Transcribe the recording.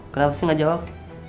kenapa sih gak jawab